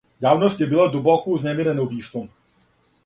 Јавност је била дубоко узнемирена убиством.